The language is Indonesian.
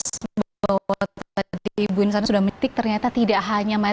tetapi juga bahwa kita bisa menggunakan batik untuk membuatnya lebih keren dan lebih keren dan